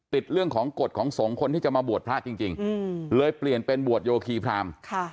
ติดเรื่องของกฎของสงฆ์คนที่จะมาบวชพระจริงเลยเปลี่ยนเป็นบวชโยคีพราม